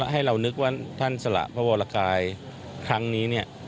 ให้เรานึกว่าท่านสละพระวรกายครั้งนี้